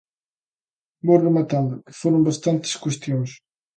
Vou rematando, que foron bastantes cuestións.